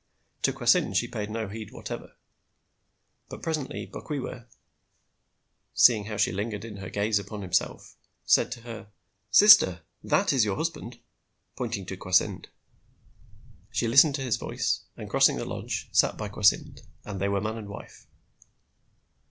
To Kwasynd she paid no heed whatever. But presently Bokwewa, seeing how she lingered in her gaze upon himself, said to her, "Sister, that is your husband," pointing to Kwasynd. She listened to his voice, and crossing the lodge, sat by Kwasynd, and they were man and wife.